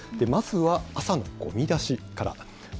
まずは朝のごみ出しから。